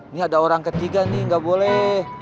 nih ada orang ketiga nih gak boleh